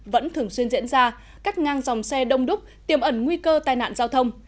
vẫn thường xuyên diễn ra cắt ngang dòng xe đông đúc tiềm ẩn nguy cơ tai nạn giao thông